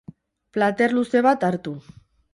Plater luze bat hartu.